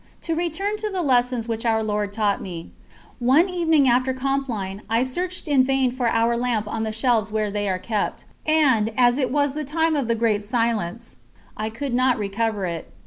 To return to the lessons which Our Lord taught me. One evening after Compline I searched in vain for our lamp on the shelves where they are kept, and, as it was the time of the "Great Silence," I could not recover it.